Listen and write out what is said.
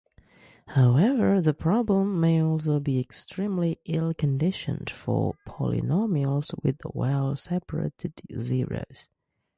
However, the problem may also be extremely ill-conditioned for polynomials with well-separated zeros.